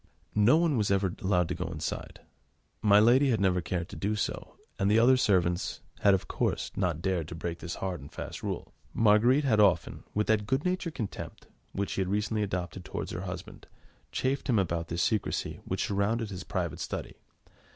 No one was ever allowed to go inside. My lady had never cared to do so, and the other servants had, of course, not dared to break this hard and fast rule. Marguerite had often, with that good natured contempt which she had recently adopted towards her husband, chaffed him about this secrecy which surrounded his private study.